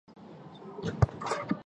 圣昂德雷德博翁。